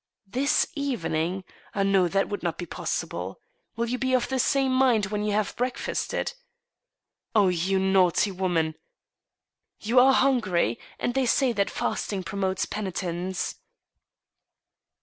" This evening ? No, that would not be possible. Will you be of the same mind when you have breakfasted ?"" Oh, you naughty woman !"" You are hungry, and they say that fasting promotes penitence."